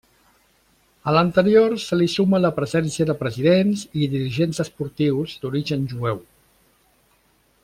A l'anterior se li suma la presència de presidents i dirigents esportius d'origen jueu.